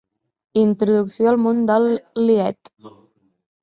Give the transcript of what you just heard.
Introducció al món del Lied.